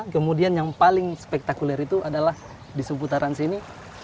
kemudian yang paling spektakuler itu adalah di seputaran sini